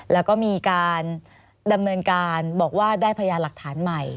แล้วก็มีการดำเนินการบอกว่าได้พยานหลักฐานใหม่